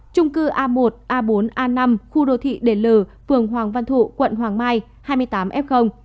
trung cư a một a bốn a năm khu đô thị đền lừ phường hoàng văn thụ quận hoàng mai hai mươi tám f